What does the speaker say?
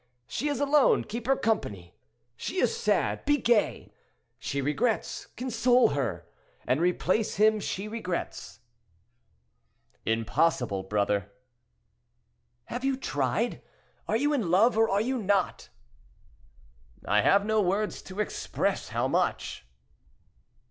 She is alone—keep her company; she is sad—be gay; she regrets—console her, and replace him she regrets." "Impossible! brother." "Have you tried? Are you in love, or are you not?" "I have no words to express how much!"